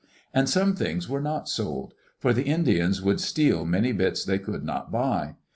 And some things were not sold; for the Indians would steal many bits they could not buy.